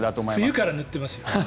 冬から塗っています。